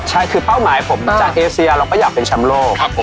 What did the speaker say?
ใช่คือเป้าหมายผมจากเอเซียเราก็อยากเป็นแชมป์โลก